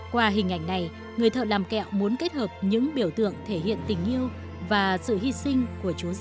qua hình ảnh này người thợ làm kẹo muốn kết hợp những biểu tượng thể hiện tình yêu và sự hy sinh của chúa giê xu